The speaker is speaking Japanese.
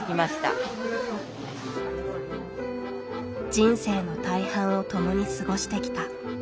人生の大半をともに過ごしてきた。